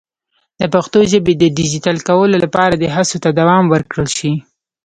د پښتو ژبې د ډیجیټل کولو لپاره دې هڅو ته دوام ورکړل شي.